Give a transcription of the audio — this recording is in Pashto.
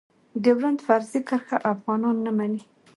ډيورنډ فرضي کرښه افغانان نه منی.